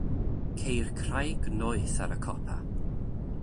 Ceir craig noeth ar y copa.